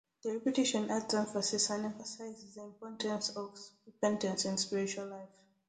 The repetition adds emphasis and emphasizes the importance of repentance in spiritual life.